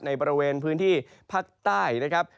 ในบริเวณพื้นที่ภาคใต้นะครับ